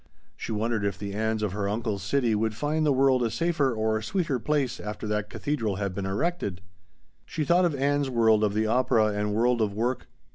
She wondered if the Anns of her uncle's city would find the world a safer or a sweeter place after that cathedral had been erected. She thought of Ann's world of the opera and world of work.